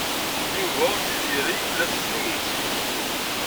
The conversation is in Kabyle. Yuba d Tiziri la setten imekli.